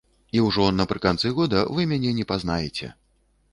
І ўжо напрыканцы года вы мяне не пазнаеце.